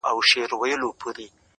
مار په خندا کي له ښامار سره خبرې کوي”